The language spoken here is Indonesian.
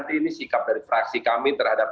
ini sikap dari fraksi kami terhadap